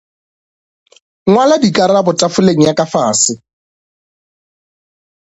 Ngwala dikarabo tafoleng ya ka fase.